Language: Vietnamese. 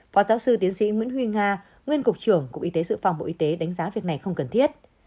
phó giáo sư tiến sĩ nguyễn huy nga nguyên cục trưởng cục y tế dự phòng bộ y tế đánh giá việc này không cần thiết